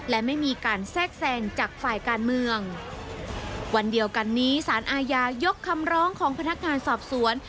และไม่มีการแทรกแทรงจากฝ่ายการเมืองวันเดียวกันนี้สารอาญายกคำร้องของพนักงานสอบสวน